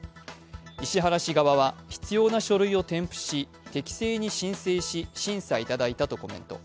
石原氏側は必要な書類を添付し適正に申請し、審査いただいたとコメント。